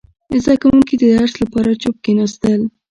• زده کوونکي د درس لپاره چوپ کښېناستل.